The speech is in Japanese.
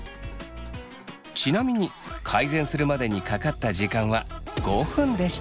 ちなみに改善するまでにかかった時間は５分でした。